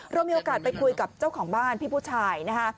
เรามีโอกาสไปคุยกับเจ้าของบ้านพี่ผู้ชายนะคะ